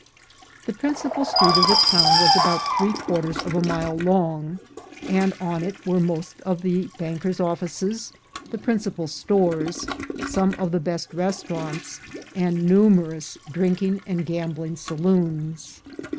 j The principal street of the town was about three quarters of a mile long, and on it were most of the bankers' offices, the principal stores, some of the best restaurants, and numerous drinking and gambling saloons.